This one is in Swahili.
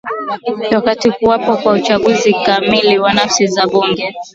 wakitaka kuwapo kwa uchaguzi kamili wa nafasi za bunge